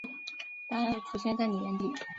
答案浮现在妳眼底